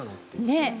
ねえ。